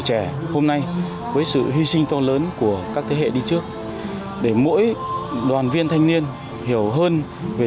trẻ hôm nay với sự hy sinh to lớn của các thế hệ đi trước để mỗi đoàn viên thanh niên hiểu hơn về